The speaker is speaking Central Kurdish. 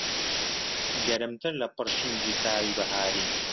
گەرمتر لە پڕشنگی تاوی بەهاری